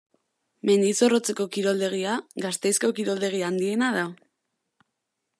Mendizorrotzeko kiroldegia Gasteizko kiroldegi handiena da.